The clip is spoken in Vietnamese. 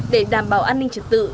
để đảm bảo an ninh trật tự